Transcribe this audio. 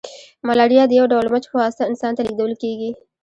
ملاریا د یو ډول مچ په واسطه انسان ته لیږدول کیږي